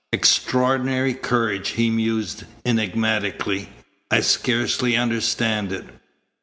"Extraordinary courage!" he mused enigmatically. "I scarcely understand it."